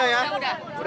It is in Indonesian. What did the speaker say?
udah nggak ada